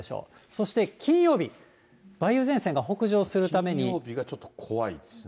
そして金曜日、金曜日がちょっと怖いですね。